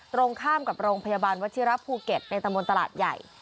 ตรงข้ามกับโรงพยาบาลวัชิระภูเก็ตในตำบลตลาดใหญ่